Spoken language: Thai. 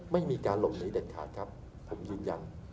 ไม่มีการหลบหนีเด็ดขาดครับผมยืนยัน